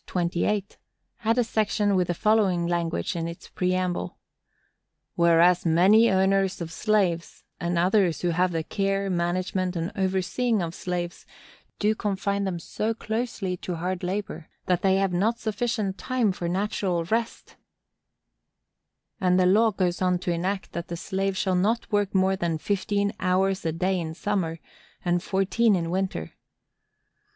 28), had a section with the following language in its preamble: [Sidenote: Stroud, p. 29.] Whereas many owners of slaves, and others who have the care, management, and overseeing of slaves, do confine them so closely to hard labor that they have not sufficient time for natural rest;— And the law goes on to enact that the slave shall not work more than fifteen hours a day in summer, and fourteen in winter.